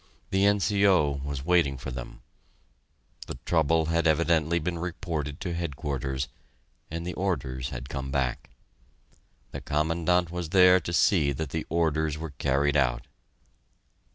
The N.C.O. was waiting for them. The trouble had evidently been reported to Headquarters, and the orders had come back. The Commandant was there, to see that the orders were carried out.